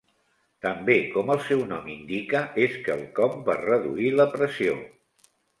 També, com el seu nom indica, és quelcom per reduir la pressió.